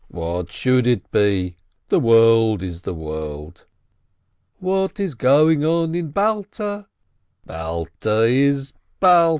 "— "What should it be? The world is the world !"— "What is going on in Balta?" —" Balta is Balta."